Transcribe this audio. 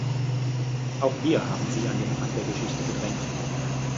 Auch wir haben sie an den Rand der Geschichte gedrängt.